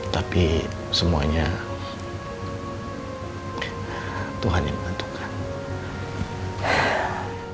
tapi semuanya tuhan yang menentukan